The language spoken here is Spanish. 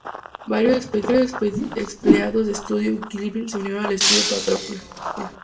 Varios exempleados de Studio Ghibli se unieron al estudio para trabajar en la película.